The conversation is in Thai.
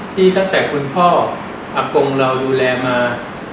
ที่ตั้งแต่คุณพ่ออากงเราดูแลมา